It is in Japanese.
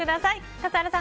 笠原さん